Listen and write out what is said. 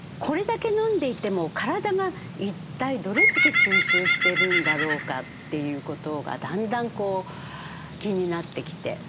これだけのんでいても体が一体どれだけ吸収してるんだろうか？ということがだんだんこう気になってきて。